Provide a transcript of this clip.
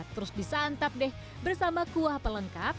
terus disantap deh bersama kuah pelengkap